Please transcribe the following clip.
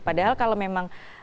padahal kalau memang